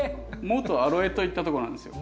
元アロエといったとこなんですよ。